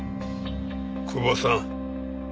久保さん。